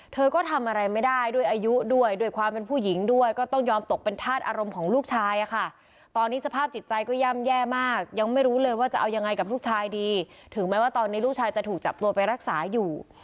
เธอก็ทำอะไรไม่ได้ด้วยอายุด้วยด้วยความเป็นผู้หญิงด้วยก็ต้องยอมตกเป็นธาตุอารมณ์ของลูกชายอะค่ะตอนนี้สภาพจิตใจก็ย่ำแย่มากยังไม่รู้เลยว่าจะเอายังไงกับลูกชายดีถึงแม้ว่าตอนนี้ลูกชายจะถูกจับตัวไปรักษาอยู่